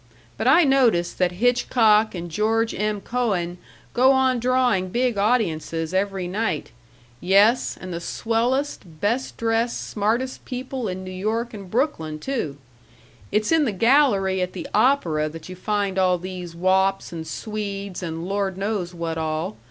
But I notice that Hitchcock and George M. Cohan go on drawing big audiences every night yes, and the swellest, best dressed, smartest people in New York and Brooklyn, too it's in the gallery at the opera that you find all these Wops and Swedes and Lord knows what all.